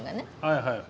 はいはい。